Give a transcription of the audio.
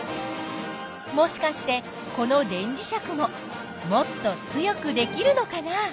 もしかしてこの電磁石ももっと強くできるのかな？